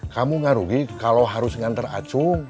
kamu ngarugi kalau harus ngantar acung